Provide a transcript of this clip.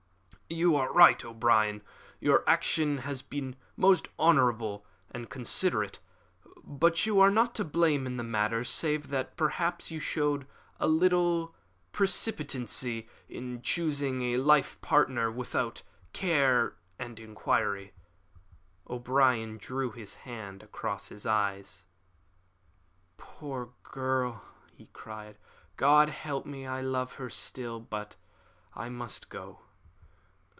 "You are right, O'Brien. Your action has been most honourable and considerate. But you are not to blame in the matter, save that perhaps you showed a little precipitancy in choosing a life partner without due care and inquiry." O'Brien drew his hand across his eyes. "Poor girl!" he cried. "God help me, I love her still! But I must go."